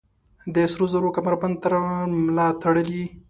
د سروزرو کمربند تر ملا تړلي